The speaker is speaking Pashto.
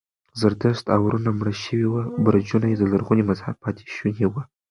زردشت اورونه مړه شوي وو، برجونه یې د لرغوني مذهب پاتې شوني و.